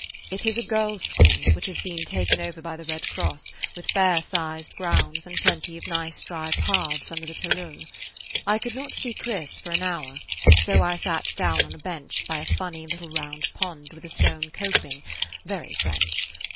It is a girls' school, which has been taken over by the Red Cross, with fair sized grounds and plenty of nice dry paths under the tilleuls. I could not see Chris for an hour, so I sat down on a bench by a funny, little round pond, with a stone coping, very French.